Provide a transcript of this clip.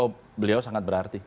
oh beliau sangat berarti